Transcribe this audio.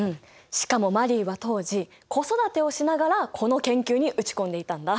しかもマリーは当時子育てをしながらこの研究に打ち込んでいたんだ。